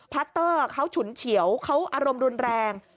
พาร์ตเตอร์เขาฉุนเฉียวเขาอารมณ์รุนแรง